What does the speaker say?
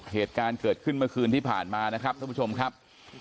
เหตุการณ์เกิดขึ้นเมื่อคืนที่ผ่านมานะครับท่านผู้ชมครับ